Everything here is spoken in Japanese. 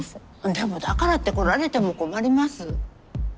でもだからって来られても困ります。